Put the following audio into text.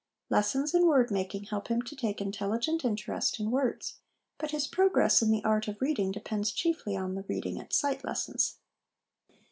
Lessons in word making help him to take intelligent interest in words ; but his progress in the art of reading depends chiefly on the ' reading at sight ' lessons.